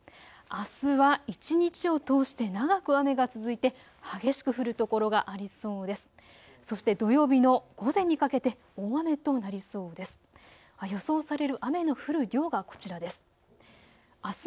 あすは一日を通して長く雨が続いて激しく降る所がありそうです。